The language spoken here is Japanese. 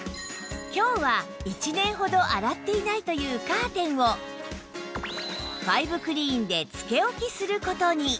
今日は１年ほど洗っていないというカーテンをファイブクリーンでつけ置きする事に